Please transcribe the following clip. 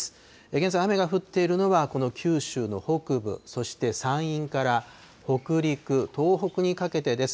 現在、雨が降っているのは、この九州の北部、そして山陰から北陸、東北にかけてです。